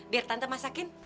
biar tante masakin